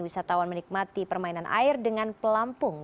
wisatawan menikmati permainan air dengan pelampung